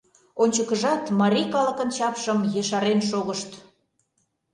Ончыкыжат марий калыкын чапшым ешарен шогышт!